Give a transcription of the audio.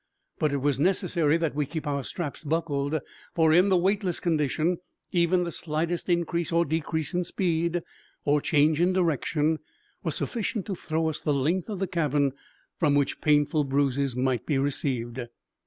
But it was necessary that we keep our straps buckled, for, in the weightless condition, even the slightest increase or decrease in speed or change in direction was sufficient to throw us the length of the cabin, from which painful bruises might be received.